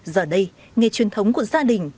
giờ đây nghề truyền thống của gia đình